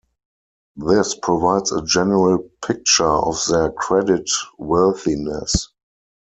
This provides a general picture of their credit worthiness.